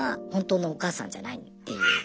っていう